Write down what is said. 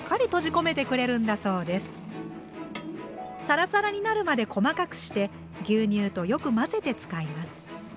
サラサラになるまで細かくして牛乳とよく混ぜて使います。